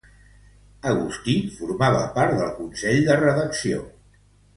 Agustín formava part del Consell de Redacció.